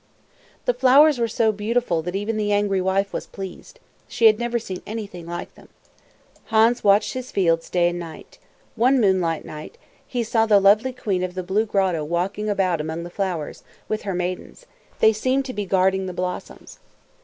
The flowers were so beautiful that even the angry wife was pleased. She had never seen anything like them. Hans watched his fields day and night. One moonlight night, he saw the lovely queen of the Blue Grotto walking about among the flowers, with her maidens. They seemed to be guarding the blossoms.